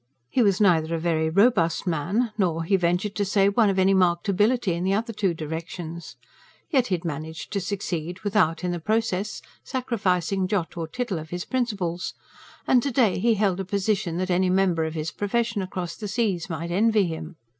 He was neither a very robust man, nor, he ventured to say, one of any marked ability in the other two directions. Yet he had managed to succeed without, in the process, sacrificing jot or tittle of his principles; and to day he held a position that any member of his profession across the seas might envy him.